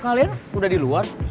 kalian udah di luar